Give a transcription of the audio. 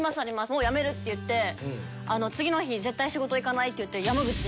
「もう辞める」って言って「次の日絶対仕事行かない」言って。